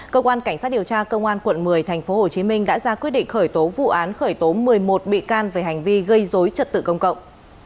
cơ quan cảnh sát điều tra công an quận một mươi tp hcm đã ra quyết định khởi tố vụ án khởi tố một mươi một bị can về hành vi gây dối trật tự công cộng